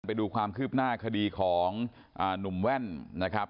ไปดูความคืบหน้าคดีของหนุ่มแว่นนะครับ